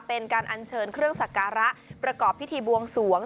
เป็นการอัญเชิญเครื่องสักการะประกอบพิธีบวงสวง